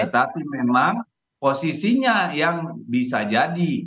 tapi memang posisinya yang bisa jadi